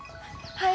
はい。